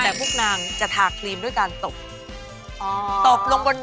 แต่พวกนางจะทาครีมด้วยการตบ